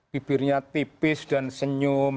bibirnya tipis dan senyum